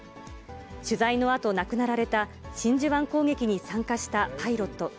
取材のあと亡くなられた、真珠湾攻撃に参加したパイロット。